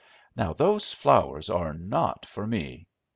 Now those flowers are not for me.